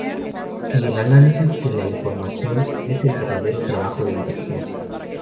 Y el análisis de la información es el verdadero trabajo de inteligencia.